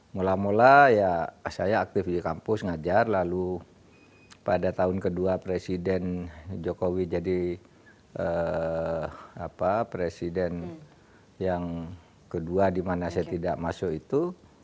mula mula ya saya aktif di kampus ngajar lalu pada tahun kedua presiden jokowi jadi presiden yang kedua di mana saya tidak masuk itu